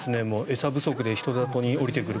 餌不足で人里に下りてくる。